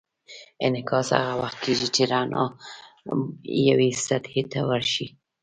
انعکاس هغه وخت کېږي چې رڼا یوې سطحې ته ورشي.